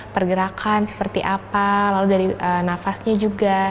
pergerakan seperti apa lalu dari nafasnya juga